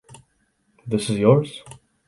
This is yours?